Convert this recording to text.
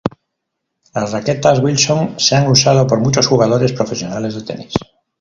Las raquetas Wilson se han usado por muchos jugadores profesionales de Tenis.